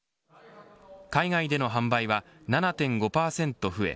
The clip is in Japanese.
海外での販売は７．５％増え